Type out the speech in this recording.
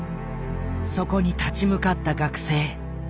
そこに立ち向かった学生。